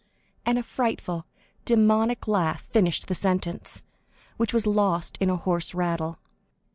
and a frightful, demoniac laugh finished the sentence, which was lost in a hoarse rattle.